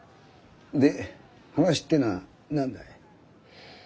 で話ってのは何だい？